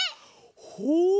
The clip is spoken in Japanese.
ほう！